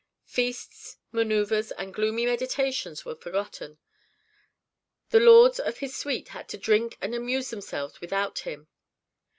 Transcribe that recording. Feasts, manœuvres, and gloomy meditations were forgotten; the lords of his suite had to drink and amuse themselves without him.